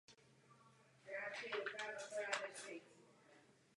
Dopady této normy nejsou zachyceny v žádném jiném antickém pramenu.